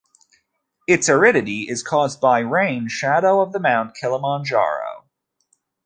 Its aridity is caused by rain shadow of the Mount Kilimanjaro.